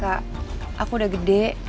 kak aku udah gede